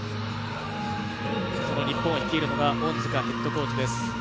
日本を率いるのが恩塚ヘッドコーチです。